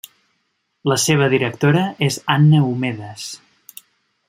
La seva directora és Anna Omedes.